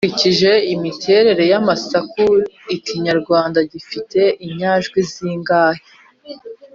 dukurikije imiterere y’amasaku ikinyarwanda gifite inyajwi zingahe